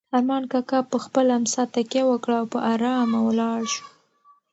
ارمان کاکا په خپله امسا تکیه وکړه او په ارامه ولاړ شو.